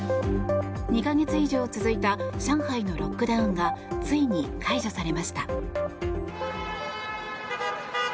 ２か月以上続いた上海のロックダウンがついに解除されました。